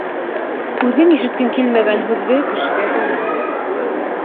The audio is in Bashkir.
Үҙең ишеткең килмәгән һүҙҙе кешегә һөйләмә.